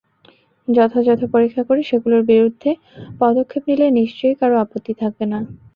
যথাযথ পরীক্ষা করে সেগুলোর বিরুদ্ধে পদক্ষেপ নিলে নিশ্চয়ই কারও আপত্তি থাকবে না।